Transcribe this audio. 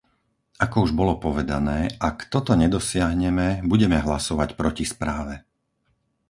Ako už bolo povedané, ak toto nedosiahneme, budeme hlasovať proti správe.